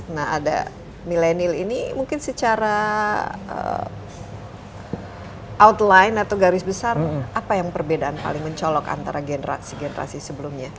nah ada milenial ini mungkin secara outline atau garis besar apa yang perbedaan paling mencolok antara generasi generasi sebelumnya